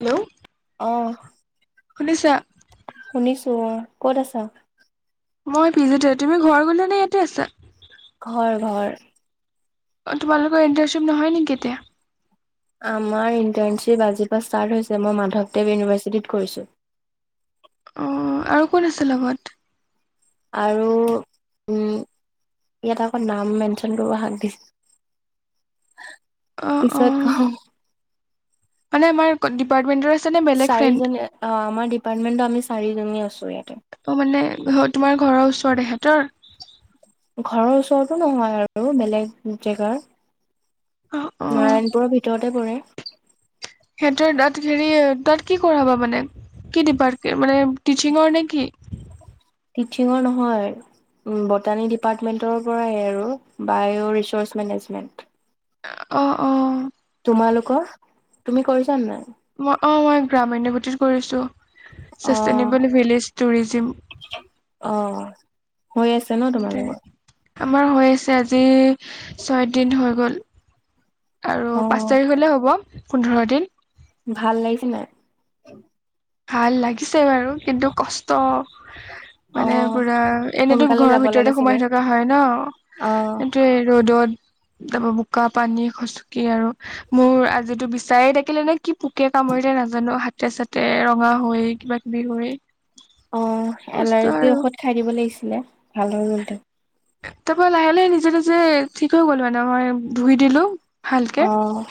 Hello. অ'। শুনিছা? শুনিছো, অ'। ক'ত আছা? মই পিজিতে, তুমি ঘৰ গ'লা নে ইয়াতে আছা? ঘৰ ঘৰ। অ', তোমাললোকৰ ইণ্টাৰনশ্বপ নহয় নেকি এতিয়া? আমাৰ ইণ্টাৰ্ণশ্বিপ আজি পা ষ্টাৰ্ট হৈছে, মই মাধৱ দেৱ উনিভাৰচিতিত কৰিছোঁ। অ', আৰু কোন আছে লগত? আৰু উম, ইয়াত আকৌ নাম মেনচন কৰিব হাক দিছে। [inaudible] অ', অ'। পিছত কম মানে আমাৰ ডিপাৰ্টমেণ্টৰ চাৰিজনী অ', আমাৰ ডিপাৰ্টমেন্টৰ আমি চাৰিজনী আছোঁ ইয়াতে। অ', মানে তোমাৰ ঘৰৰ ওচৰত এহেতৰ? ঘৰৰ ওচৰতো নহয় আৰু বেলেগ জেগাৰ। অ'। অ নাৰায়ণপুৰৰ ভিতৰতে পৰে। সিহঁতৰ তাত হেৰি তাত কি কৰাবা মানে কি ডিপাৰ্টে মানে টিচিঙৰ নে কি? টিচিঙৰ নহয়। বটানী ডিপাৰ্টমেন্টৰ পৰাই আৰু, বায়' ৰিচাৰ্চ মেনেজমেন্ট। অ', অ'। তোমালোকৰ, তুমি কৰিছা নে নাই? অ', মই গ্ৰামউন্নয় গতিত কৰিছোঁ, অ চাষ্টেইনেবল ভিলেজ টুৰিজিম। অ', হৈ আছে। ন দে তোমালোকৰ আমাৰ হৈ আছে, আজি ছয় দিন হৈ গ'ল। আৰু পাঁচ অ' তাৰিখ হ'লে হ'ব পোন্ধৰ দিন। ভাল লাগিছে নাই? ভাল লাগিছে বাৰু, কিন্তু কষ্ট। মানে অ' পুৰা এনেতো সোনকালে ঘৰৰ যাব লাগে ভিতৰতে চাগে সোমাই থকা হয় অ' ন'। ৰ'দত। তাৰপা বোকা পানী খচকি আৰু মোৰ আজিটো বিচাএ দাকিলে নে কি পোকে কামৰিলে নাজানো? হাতে চাতে ৰঙা হৈ কিবা কিবি হৈ অ' কষ্ট এলাৰ্জি আৰু ঔষধ খাই দিব লাগিছিলে, ভাল হৈ গ'ল হেতেন। তাৰ পৰা লাহে লাহে নিজে নিজে ঠিক হৈ গ'ল, মানে মই ধুই দিলো। ভালকে, অ'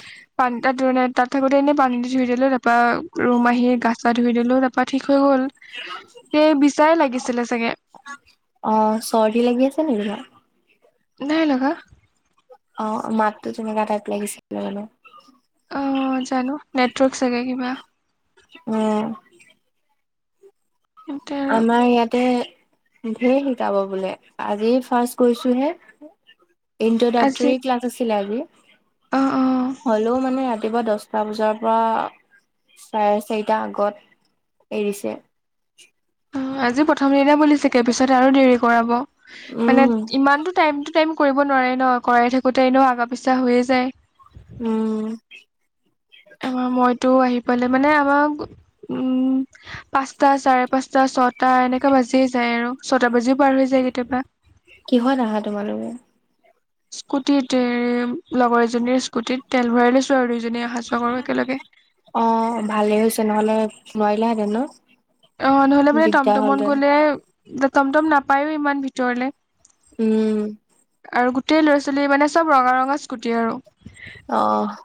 পানী তাতে তাত থাকোতে এনেই পানী দি ধুই দিলো। তাৰপা ৰুম আহি গা চা ধুই দিলো তাৰপা ঠিক হৈ গ'ল, এই বিচায়ে লাগিছিলে চাগে। অ', চৰ্দি লাগি আছে নেকি তোমাৰ? নাই লগা। অ', মাতটো তেুনেকুৱা টাইপ লাগিছিলে কিয় জানো। অ', জানো নেটৱৰ্ক চাগে কিবা। উম। [unintelligible] আমাৰ ইয়াতে ধেৰ শিকাব বোলে, আজি ফাৰ্ষ্ট গৈছো হে। ইণ্টা আজি ডক্টৰী ক্লাচ আছিলে আজি, অ অ হ'লেও মানে ৰাতিপুৱা দচ টা বজাৰ পৰা চাৰে চাৰিটা আগত এৰিছে। অ', আজি প্ৰথম দিনা বুলি চাগে, পিছত আৰু দেৰি কৰাব। উম। মে ইমানটো টাইম টু টাইম কৰিব নোৱাৰে ন, কৰাই থাকোতে এনেও আগা পিছা হৈয়ে যায়। উম। আমাৰ মইতো আহি পালে মানে আমাক উম। পাঁচটা চাৰে পাঁচটা ছয়টা এনেকা বাজিয়ে যায় আৰু, ছয়টা বাজিও পাৰ হৈ যায় কেতিয়াবা। কিহত আহা তোমালোকোৰ?। স্কুটিত, লগৰ এজনীৰ স্কুটিত তেল ভৰাই লৈছো আৰু দুইজনী অহা যোৱা কৰো একেলগে। অ' ভালে হৈছে, নহলে নোৱাৰিলেহেঁতেন ন। অ' নহলে মানে দিগদাৰ টমটমত হ'লহেঁতেন গ'লে টমটম নাপায়ো ইমান ভিতৰলে। উম। আৰু গোটেই ল'ৰা ছোৱালী মানে চব ৰঙা ৰঙা স্কুটি আৰু। অ'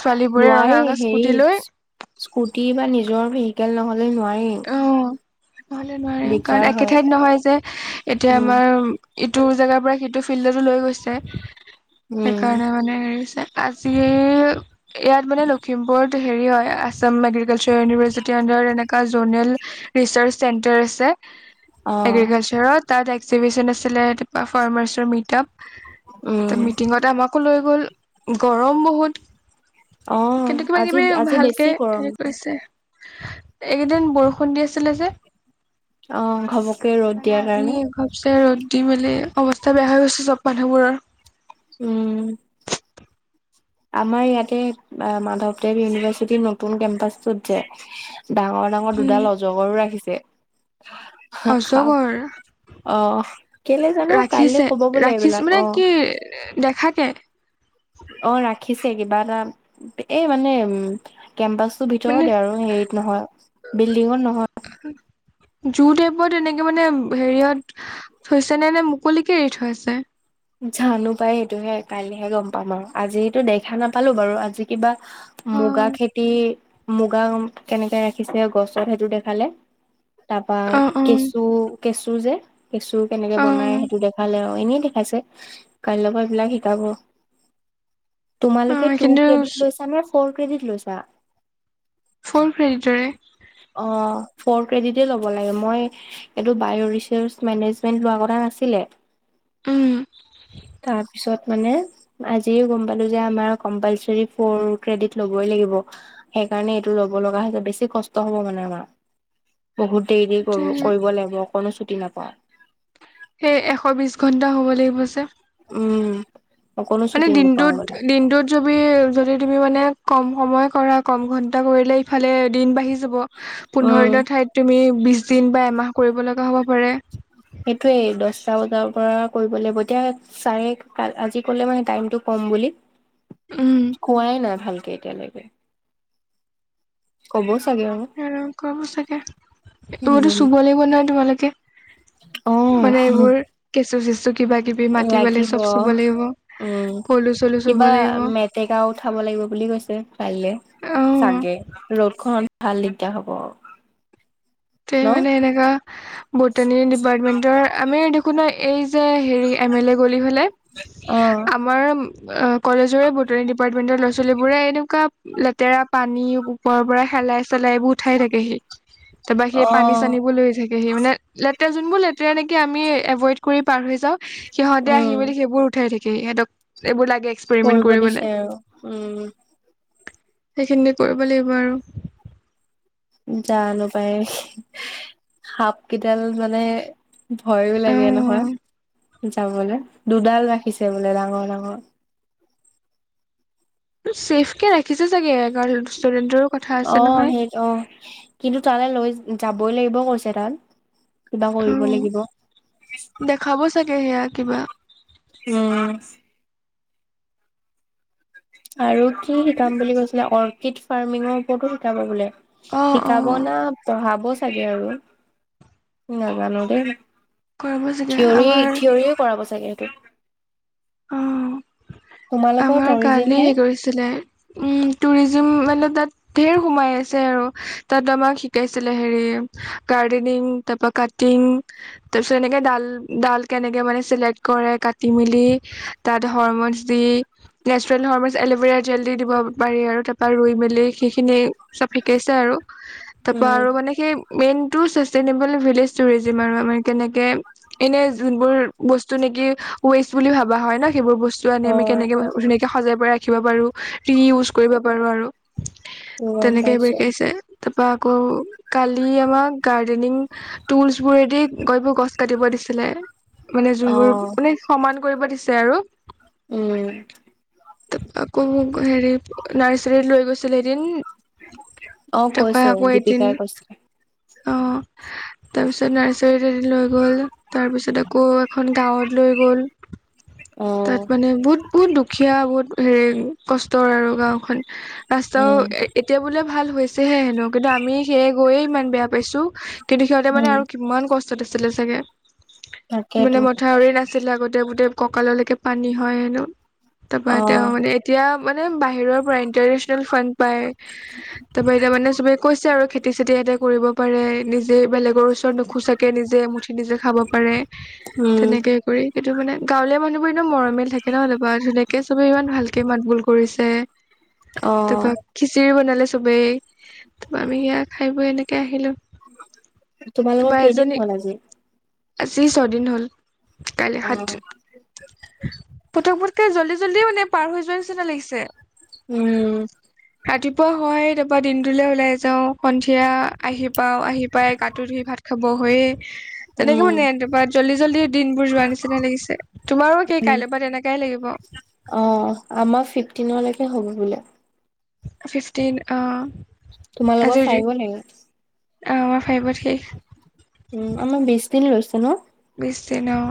ছোৱালীবোৰে ৰঙা নোৱাৰি, ৰঙা হেৰি। স্কুটি লৈ স্কুটি বা নিজৰ ভেহিকেল নহলে নোৱাৰি। অ নহলে নোৱাৰি, দিগদাৰ কাৰণ একে হয় ঠাইত নহয় যে, এতিয়া উম আমাৰ। ইটো জেগাৰ পৰা সিটো ফিল্ডতো লৈ গৈছে উম সেইকাৰণে মানে হেৰি হৈছে। আজি ইয়াত মানে লখিমপুৰত হেৰি হয়। আ। আছাম এগ্ৰিকালচাৰ ইউনিভাৰ্চিটিৰ আণ্ডাৰত এনেকা জনেল ৰিচাৰ্চ চেণ্টাৰ আছে। অ এগ্ৰিকালচাৰৰ তাত এক্সিবিশন আছিলে, তাৰপা ফাৰ্মাৰ্চৰ মিট আপ। উম ত মিটিঙতে আমাকো লৈ গ'ল, গৰম বহুত। অ কিন্তু কিবা আজি কিবি আজি ভালকে বেছি গৰম হেৰি কৰিছে। এইকেইদিন বৰষুণ দি আছিলে যে। অ। [unintelligible] কাৰণে আজি এসপ্ত ৰ'দ দি মেলি অৱস্থা বেয়া হৈ গৈছে চব মানুহবোৰৰ। উম। আমাৰ ইয়াতে মাধৱদেৱ ইউনিভাৰ্চিটিৰ নতুন কেম্পাচটোত যে ডাঙৰ। ডাঙৰ উম দুডাল অজগৰো ৰাখিছে। সাপ অজগৰ। অ কেলে জানো কাইলৈ ৰাখিছে ক'ব বোলে ৰাখিছ এইবিলাক মানে অ কি দেখাকে। অ ৰাখিছে কিবা এটা এই মানে উ কেম্পাচ। মানে ভিতৰতে আৰু হেৰিত নহয় বিল্ডিঙত নহয়। জু টাইপত এনেকে মানে হেৰিয়ত। থৈছে নে নে মুকলিকে এৰি থৈছে?। জানো পাই সটোহে কাইলৈহে গ'ম পাম আৰু, আজিতো দেখা নাপালো বাৰু, আজি। কিবা অ মুগা খেতি। মুগা কেনেকে ৰাখিছে গছত সেইটো দেখালে। তাৰপা অ অ কেঁচু কেঁচু যে। কেঁচু কেনেকে অ বনাই সেইটো দেখালে আৰু এনেই দেখাইছে। কাই লগৰ এই বিলাক শিকাব অ তোমালোকে টু কিন্তু ক্ৰেডিট লৈছা নে। ফৰ ক্ৰেডিট লৈছা। ফ'ৰ ক্ৰেডিটৰে। অ ফৰ ক্ৰেডিট ল'ব লাগে মই। এইটো বায় ৰিচৰ্চ মেনেজমেন্ট লোৱা কথা নাছিলে। উম। তাৰপিছত মানে। আজি গম পালো যে আমাৰ কম্পালচাৰি ফৰ ক্ৰেডিট ল'বই লাগিব। সেইকাৰণে এইটো ল'ব লগা হৈছে বেছি কষ্ট হব মানে আমাৰ। বহুত দেৰি দেৰি কৰোঁ, সেই কৰিব লাগিব অকণো ছুটি নাপাওঁ। সেই এশ বিছ ঘণ্টা হ'ব লাগিব যে। উম। অকনো মানে ছুটি নাপাওঁ দিনটোত মানে দিনটোত যবি যদি তুমি মানে কম সময় কৰা, কম ঘণ্টা কৰিলে ইফালে দিন বাঢ়ি যাব। উম পোন্ধৰ দিনৰ ঠাইত তুমি বিশ দিন বা এমাহ কৰিব লগা হ'ব পাৰে। সেইটোৱে দছটা বজাৰ পৰা কৰিব লাগিব এতিয়া চাৰে ক আজি কলে মানে টাইমটো কম বুলি। উম। কোৱাই নাই ভালকে এতিয়ালৈকে। ক'ব চাগে আও। উম কব চাগে? এইবোৰতো চুব লাগিব নহয় তোমালোকে। মানে এইবোৰ অঁ। কেঁচু চেচু কিবা কিবি মাটি, বালি চব চুব লাগিব, পলু চলু চুব লাগিব। টেকাও উঠাব লাগিব বুলি কৈছে পাৰিলে। অ চাগে ৰ'দখনত ভাল দিগদাৰ হ'ব। তে ন মানে এনেকা বটানী ডিপাৰ্টমেন্টৰ আমি দেখোন নাই এই যে হেৰি এম এল এ গলি ফালে, অ আপ আমাৰ কলেজৰে বটানী ডিপাৰ্টমেন্টৰ ল'ৰা-ছোৱালী বোৰে এনেকুৱা লেতেৰা পানী ওপৰৰ পৰা হেলাই চেলাই এইবোৰ উঠাই থাকেহি। তাৰপা সেই অ পানী চানী লৈ থাকে থাকেহি মানে লেতেৰা যোনবোৰ লেতেৰা নেকি আমি এভইড কৰি পাৰ হৈ যাও সিহঁতে আহি উম মেলি সেইবোৰ উঠাই থাকেহি, সিহঁতক এইবোৰ লাগে, এক্সপেৰিমেন্ট কৰিব কৰিবলৈ দিছে আৰু, উম। সেইখিনি কৰিব লাগিব আৰু। জানো পায়, সাপকেইডাল মানে ভয়ো লাগে নহয় অ যাবলে, দুডাল ৰাখিছে বোলে ডাঙৰ- ডাঙৰ। ছেফ কে ৰাখিছে চাগে, কাৰণ ষ্টুডেণ্টৰো অ, সেই অ, কিন্তু তালে লৈ যাবই লাগিব কৈছে তাত। কিবা অ কৰিব লাগিব। দেখাব চাগে, সেয়া কিবা। অঁ। আৰু কি অ শিকাম বুলি কৈছিলে? অৰ্কিড ফাৰ্মিঙৰ ওপৰতো শিকাব বোলে। অ শিকাব না পঢ়াব চাগে আৰু। নাজানো দেই। কৰিব চাগে থিয়ৰি আমাৰ থিয়ৰিও কৰাব চাগে এইটো? অঁহ। তোমালোকৰ আমাৰ টৰিজিম কালি হে কৰিছিলে উম টুৰিজিম মানে তাত ধেৰ সোমাই আছে আৰু, তাত আমাক শিকাইছিলে হেৰি গাৰ্ডেনিং তাৰপৰা কাটিং তাৰপিছত এনেকে ডাল- ডাল কেনেকে মানে চিলেক্ট কৰে, কাটি মেলি। তাত হৰমছ দি নেচাৰেল হৰ্মছ এল'ভেৰা জেল দি দিব পাৰি আৰু, তাৰপৰা ৰুই মেলি সেইখিনি চব শিকাইছে আৰু। তাৰপৰা উম আৰু মানে, সেই মেইনটো ছাষ্টেইনেবল ভিলেজ টুৰিজিম আৰু আমাৰ কেনেকে এনে যোনবোৰ বস্তু নেকি ৱেষ্ট বুলি ভাবা হয় ন, সেইবোৰ বস্তু অ আনি আমি কেনেকে ধুনীয়াকে সজাই পৰাই ৰাখিব পাৰোঁ। কি ইউজ কৰিব পাৰোঁ আৰু। গম তেনেকে এইবোৰ পাইছো শিকাইছে। তাৰপৰা আকৌ কালি আমাৰ গাৰ্ডেনিং। টুলচ বোৰেদি গৈ বোৰ গছ কাটিব দিছিলে। মানে অ যোনবোৰ মানে, সমান কৰিব দিছে আৰু। উম। তাৰপৰা আকৌ হেৰি। নাৰ্চাৰীত লৈ গৈছিল এদিন। অ তাৰপৰা কৈছে আকৌ এদিন। দীপিকাই কৈছে অ, তাৰপিছত নাৰ্চ লৈ গ'ল। তাৰপিছত আকৌ এখন গাঁৱত লৈ গ'ল। অ তাত মানে বহুত। বহুত দুখীয়া, বহুত হেৰি কষ্টৰ আৰু গাঁওখন। ৰাস্তাও উম এতিয়া বোলে ভাল হৈছেহে হেনো। কিন্তু আমি সেয়ে গৈয়ে ইমান বেয়া পাইছোঁ। কিন্তু সিহঁতে মানে উম আৰু কিমান কষ্টত আছিলে চাগে। মানে তাকেতো মই মথাউৰি আছিলে আগতে। গোটেই কঁকাললৈকে পানী হয় হেনো। তাৰ অ পৰা তেওঁ মানে এতিয়া, মানে বাহিৰৰ পৰা ইন্টাৰনেচনেল ফান্ড পায়। তাৰ পৰা এতিয়া মানে চবে কৈছে আৰু খেতি চেতি এতিয়া কৰিব পাৰে নিজে। বেলেগ গৰ ওচৰত নোখোচাকে নিজে এমুঠি নিজে খাব পাৰে। উম তেনেকে কৰি, এইটো মানে। গাঁৱলীয়া মানুহবোৰ এনেই মৰমিয়াল থাকে ন। এনেকে চবে ইমান ভালকে মাত বোল কৰিছে। অ তাৰপৰা খিচিৰি বনালে চবেই। তাৰপৰা আমি সেয়াই খাই বৈ এনেকে আহিলোঁ। তোমালোকৰ কেইদিন হ'ল আজি? আজি ছদিন হ'ল। কাইলৈ অ সাতদিন। পতক পত পতকে জল্দি- জল্দি মানে পাৰ হৈ যোৱাৰ নিচিনা লাগিছে। উম। ৰাতিপুৱা হয়, তাৰপৰা দিনটোলৈ ওলাই যাওঁ। সন্ধিয়া আহি পাও, আহি পাই, গাটো ধুই, ভাত খাব হৈয়ে। তেনেকে উম মানে। তাৰপৰা জল্দি- জল্দি দিন বোৰ যোৱাৰ নিচিনা লাগিছে। তোমাৰো একেই কাইলৈ পৰা তেনেকাই লাগিব। অ, আমাৰ ফিফটিনলৈকে হ'ব বোলে। ফিফটিন, অ। তোমালোকৰ ফাইভলৈকে। অঁ আমাৰ ফাইবত শেষ। উম আমাৰ বিছ দিন লৈছে ন? বিছ দিন অ।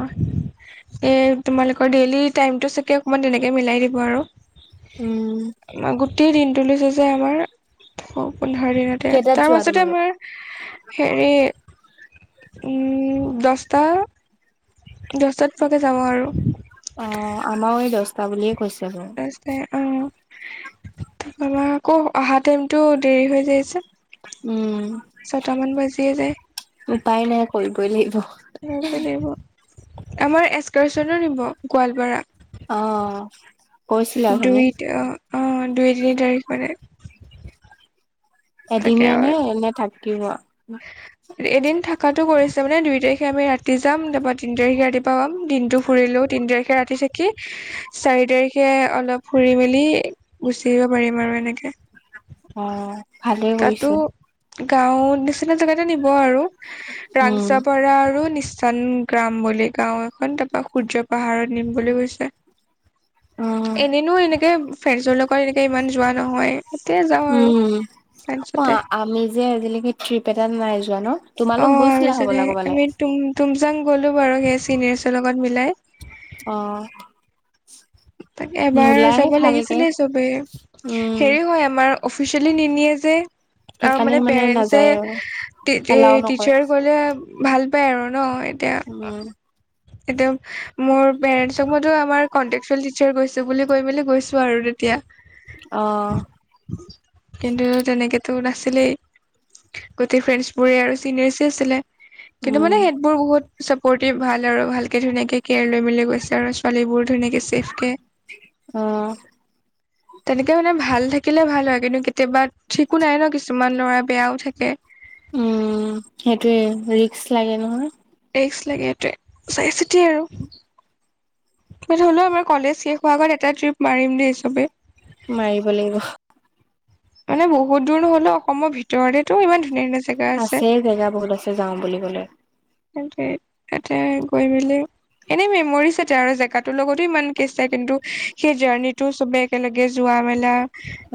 এ তোমালোকৰ ডেইলি টাইমটো চাগে অকমান তেনেকেই মিলাই দিব আৰু উম আমাৰ গোটেই দিনটো লৈছে যে আমাৰ পোন্ধৰ দিনত তে কেইটাত তাৰ যোৱা মাজতে তোমালোক আমাৰ আ হেৰি উম দচ টা দহটাত পোৱাকৈ যাব আৰু অ আমাৰো এই দছটা বুলিয়ে কৈছে বাৰু তাৰপিছতে অ আমাৰ আকৌ অহা টাইমটো দেৰি হৈ যায় যে উম ছটামান বাজিয়ে যায় উপায় নাই কৰিবই লাগিব। কৰিবই লাগিব আমাৰ এক্সকাৰ্চনো নিব গোৱালপাৰা। অঁ দুইত অ অ দুই তিনি তাৰিখ মানে তাকে এদিনীয়া আৰু নে নে থাকিব? এদিন থাকাটো কৰিছে মানে দুই তাৰিখে আমি ৰাতি যাম তাৰপা তিন তাৰিখে ৰাতি পাম দিনটো ফুৰিলেও তিন তাৰিখ খে ৰাতি চেকি চাৰি তাৰিখে অলপ ফুৰি মেলি গুচি আহিব পাৰিম আৰু এনেকে। অ। ভালে তাতো কৰিছে গাঁওত নিচিনা জেগাতে নিব আৰু। উম ৰাংচাপাৰা আৰু নিচ চান গ্ৰাম বুলি গাঁও এখন তাৰপা সূৰ্য পাহাৰত নিম বুলি কৈছে। উম এনেইনো এনেকে ফ্ৰেণ্ডছৰ লগত এনেকে ইমান যোৱা নহয় এ এতিয়া যাম উম, অ আমি যে আজিলৈকে ট্ৰিপ এটাত নাই যোৱা ন? অ তোমালোক আমি গৈছিলা যোৱা হ'বলা নাই, ক'বালে আমি তুম তুমজাং গ'লো বাৰু সেই চিনিয়াৰছৰ লগত মিলাই। অ। তাকে এবাৰ নোলায়ে যাব ভালকে লাগিছিলে চবেই, উম হেৰি হয় আমাৰ অফিচিয়েলি নিনিয়ে যে। আৰু সেইকাৰণে মানে পেৰেণ্টচে নাযায় আৰু তেই এলাও তেই নকৰে টিচাৰ গ'লে ভাল পাই আৰু ন এতিয়া উম এতিয়া মোৰ পেৰেণ্টছক মইটো আমাৰ কন্ত্ৰেক্টটোৱাল টিচাৰ গৈছে বুলি কৈ মেলি গৈছো আৰু তেতিয়া। অ। কিন্তু তেনেকেতো নাছিলেই। গোটেই ফ্ৰেণ্ডছবোৰে আৰু চিনিয়ৰচেই আছিলে। কিন্তু উম মানে সেইতবোৰ বহুত চাপৰ্টিভ ভাল আৰু ভালকে ধুনীয়াকে কেয়াৰ লৈ মেলি গৈছে আৰু ছ ৱালীবোৰ ধুনীয়াকে চেফকে। অ তেনেকে মানে ভাল থাকিলে ভাল হয় কিন্তু কেতিয়াবা ঠিকো নাই ন কিছুমান ল'ৰা বেয়াও থাকে। উম সেইটোয়ে, ৰিস্ক লাগে নহয়। ৰিস্ক লাগে সেইটোৱে, চাই চিতিয়ে আৰু। বাট হ'লেও আমাৰ কলেজ শেষ হোৱাৰ আগত এটা ট্ৰিপ মাৰিম দেই চ'বেই। মাৰিব লাগিব। মানে বহুত দূৰ নহ'লেও অসমৰ ভিতৰতেটো ইমান ধুনীয়া ধুনীয়া জে আছে জেগা বহুত আছে যাও বুলি ক'লে। সেইটোৱেই তাতে গৈ মেলি এনেই মেমৰিজ এটা আৰু জেগাটোৰ লগতো ইমান কেচ নাই কিন্তু সেই জাৰ্ণিটো চবে একেলগে যোৱা মেলা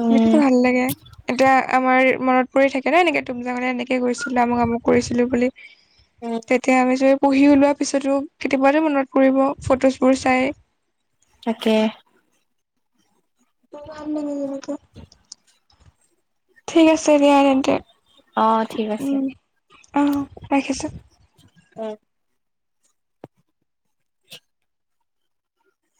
উম। ভাল লাগে এতিয়া আমাৰ মনত কৰি থাকে ন এনেকে তুমজাঙলে এনেকে গৈছিলো আমুক - আমুক কৰিছিলো বুলি। তেতিয়া আমি চবে পঢ়ি ওলোৱাৰ পিছতো কেতিয়াবাটো মনত পৰিব ফটোজবোৰ চাই। তাকে। [unintelligible] ঠিক আছে দিয়া তেন্তে। অ ঠিক আছে। অঁহ ৰাখিছোঁ। উম।